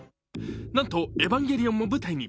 なんと、「エヴァンゲリオン」も舞台に。